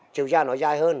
chiều dài nó dài hơn